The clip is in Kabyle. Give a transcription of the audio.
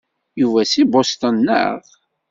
Yuba seg Boston, naɣ?